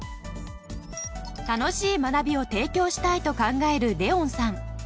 楽しい学びを提供したいと考えるレウォンさん。